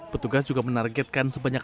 petugas juga menargetkan sebanyak